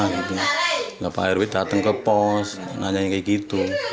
gak payah rupiah datang ke pos nanya kayak gitu